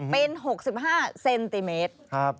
เป็น๖๕เซนติเมตร